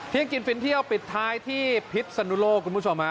ยังกินฟินเที่ยวปิดท้ายที่พิษสนุโลกคุณผู้ชมฮะ